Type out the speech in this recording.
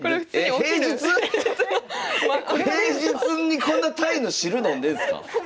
えっ平日⁉平日にこんなタイの汁飲んでるんすか？